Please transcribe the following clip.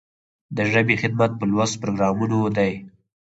د ژبې خدمت په لوست پروګرامونو دی.